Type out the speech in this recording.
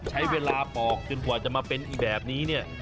ใช้เวลาปอกจนกว่าจะมาเป็นอีกแบบนี้เนี่ย